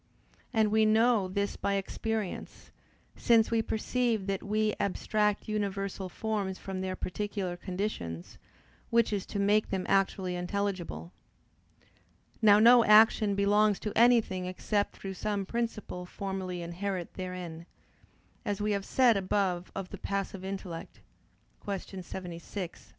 And we know this by experience, since we perceive that we abstract universal forms from their particular conditions, which is to make them actually intelligible. Now no action belongs to anything except through some principle formally inherent therein; as we have said above of the passive intellect (Q. 76, A.